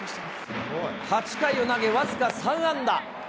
８回を投げ、僅か３安打。